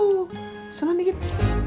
susah nanti kita